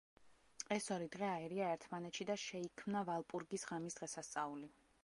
ეს ორი დღე აირია ერთმანეთში და შეიქმნა ვალპურგის ღამის დღესასწაული.